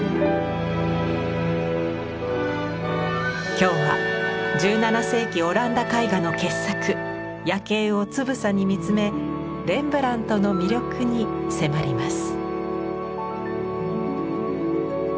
今日は１７世紀オランダ絵画の傑作「夜警」をつぶさに見つめレンブラントの魅力に迫ります。